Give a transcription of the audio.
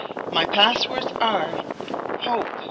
My pass words are, 'Hope!